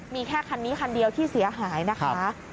มีแค่คันนี้คันเดียวที่เสียหายนะคะ